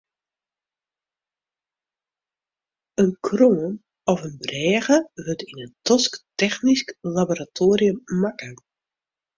In kroan of in brêge wurdt yn in tosktechnysk laboratoarium makke.